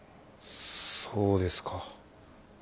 そうですか。